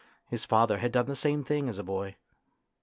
His father had done the same thing as a boy.